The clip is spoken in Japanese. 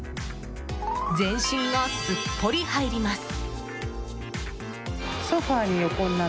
全身がすっぽり入ります。